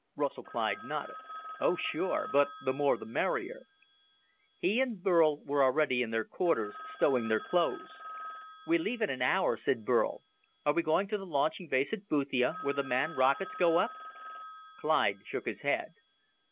Russell Clyde nodded. "Oh, sure, but the more the merrier." He and Burl were already in their quarters, stowing their clothes. "We leave in an hour," said Burl. "Are we going to the launching base at Boothia, where the manned rockets go up?" Clyde shook his head.